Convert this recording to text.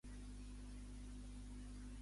Amb quina pràctica s'associa Penteu?